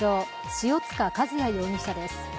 塩塚和也容疑者です。